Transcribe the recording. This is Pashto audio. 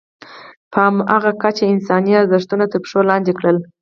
په همغه کچه یې انساني ارزښتونه تر پښو لاندې کړل.